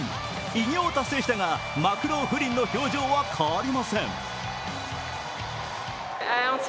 偉業を達成したが、マクローフリンの表情は変わりません。